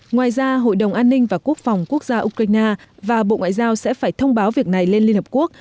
ngoài ra hội đồng an ninh và quốc phòng quốc gia ukraine và bộ ngoại giao sẽ phải thông báo việc này lên liên hợp quốc